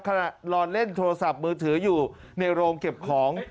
นอนเล่นโทรศัพท์มือถืออยู่ในโรงเก็บของ